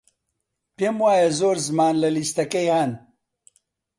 پێم وایە زۆر زمان لە لیستەکەی هەن.